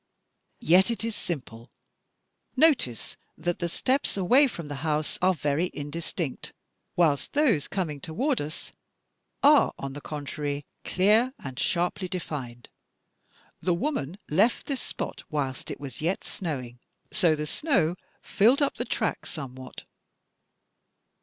"Yet it is simple. Notice that the steps away from the house are very indistinct, whilst those coming toward us are, on the contrary, clear, and sharply defined. The woman left this spot whilst it was yet snowing; so the snow filled up the tracks somewhat.